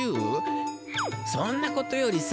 そんなことよりさ